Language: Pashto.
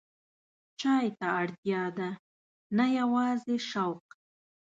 چای ته اړتیا ده، نه یوازې شوق.